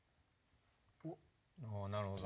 なるほどな。